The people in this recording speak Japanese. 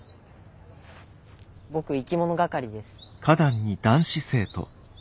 僕生き物係です。